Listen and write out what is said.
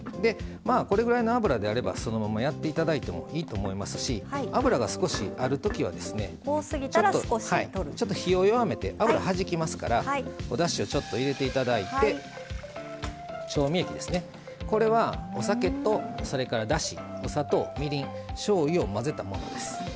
これぐらいの油であればそのままやっていただいてもいいと思いますし油が、少しあるときはちょっと火を弱めて油をはじきますからおだしを入れていただいて調味液、お酒とそれから、だし、お砂糖、みりんしょうゆを混ぜたものです。